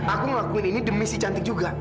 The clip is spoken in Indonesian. aku ngelakuin ini demi si cantik juga